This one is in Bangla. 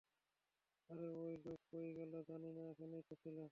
আরে ওই লোক কই গেল, - জানি না, এখানেই তো ছিল।